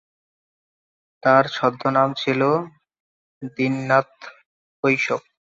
তার ছদ্মনাম ছিল দীননাথ কাশ্যপ।